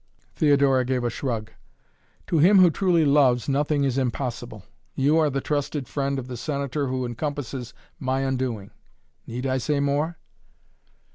Theodora gave a shrug. "To him who truly loves nothing is impossible. You are the trusted friend of the Senator who encompasses my undoing need I say more?"